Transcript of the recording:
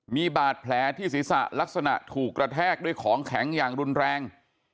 มีบาดแผลที่ศีรษะลักษณะถูกกระแทกด้วยของแข็งอย่างรุนแรง